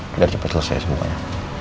biar cepet selesai semuanya